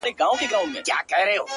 • نه پنځه یو نه پنځه زره کلن یو ,